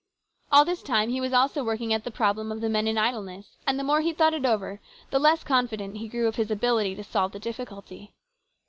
All this time he was also working at the problem of the men in idleness, and the more he thought it over the less confident he grew of his ability to solve the difficulty.